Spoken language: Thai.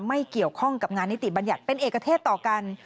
ไม่เกี่ยวข้องกับงานนิติบัญญัติเป็นเอกเทศต่อกัน